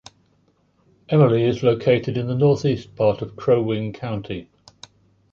Emily is located in the northeast part of Crow Wing County.